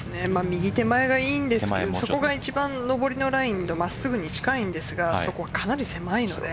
右手前がいいんですけどそこが一番上りのラインの真っすぐに近いんですがかなり狭いので。